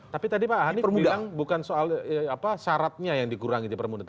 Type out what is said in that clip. tapi tadi pak ini bilang bukan soal syaratnya yang dikurangi dipermudah